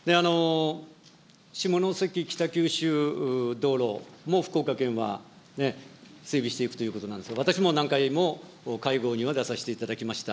下関北九州道路も福岡県はね、整備していくということなんですけれども、私も何回も会合には出させていただきました。